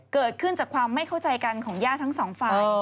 เกิดขึ้นจากความไม่เข้าใจกันของญาติทั้งสองฝ่าย